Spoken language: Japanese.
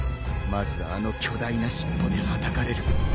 まずあの巨大な尻尾ではたかれる。